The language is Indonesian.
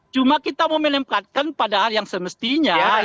cuma kita mau melemparkan padahal yang semestinya